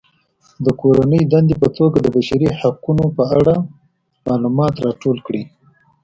د کورنۍ دندې په توګه د بشري حقونو په اړه معلومات راټول کړئ.